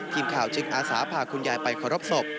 ทีมข่าวจึงอาสาพาคุณยายไปเคารพศพ